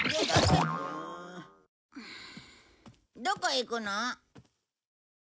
どこへ行くの？